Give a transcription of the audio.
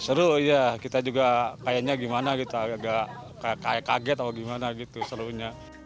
seru iya kita juga kayaknya gimana kita agak kayak kaget atau gimana gitu serunya